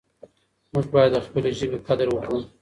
موږ باید د خپلې ژبې قدر وکړو.